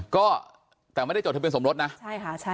ก็แต่ไม่ได้จดทะเบียสมรสนะใช่ค่ะใช่